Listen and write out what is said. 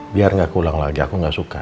biar gak kulang lagi aku gak suka